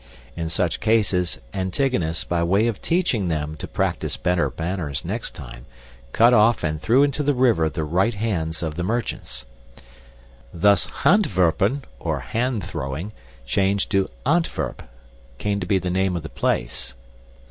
In such cases, Antigonus, by way of teaching them to practice better manners next time, cut off and threw into the river the rights hands of the merchants. Thus handwerpen (or hand throwing), changed to Antwerp, came to be the name of the place.